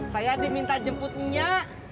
saya diminta jemputnya